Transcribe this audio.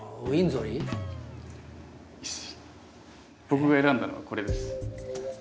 僕が選んだのはこれです。